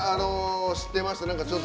知ってました。